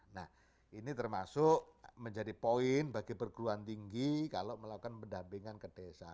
nah ini termasuk menjadi poin bagi perguruan tinggi kalau melakukan pendampingan ke desa